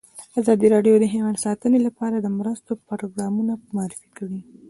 ازادي راډیو د حیوان ساتنه لپاره د مرستو پروګرامونه معرفي کړي.